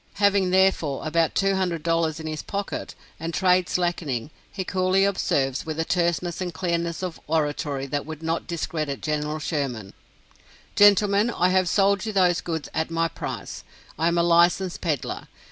Having, therefore, about two hundred dollars in his pocket, and trade slackening, he coolly observes, with a terseness and clearness of oratory that would not discredit General Sherman: "Gentlemen I have sold you those goods at my price. I am a licensed peddler.